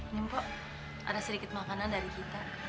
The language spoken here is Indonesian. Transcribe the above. nyempok ada sedikit makanan dari kita